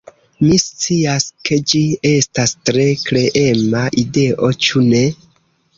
Mi scias, ke ĝi estas tre kreema ideo, ĉu ne?